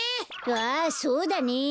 ああそうだね。